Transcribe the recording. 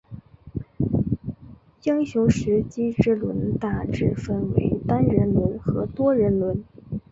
英雄时机之轮大致分为单人轮和多人轮。